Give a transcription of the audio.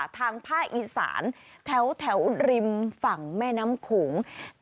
ทางภาคอีสานแถวริมฝั่งแม่น้ำโขง